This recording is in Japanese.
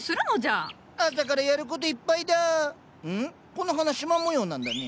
この花しま模様なんだね。